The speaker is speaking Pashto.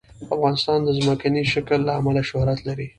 افغانستان د ځمکنی شکل له امله شهرت لري.